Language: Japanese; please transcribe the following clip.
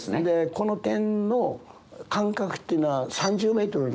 この点の間隔っていうのは３０メートルなんです。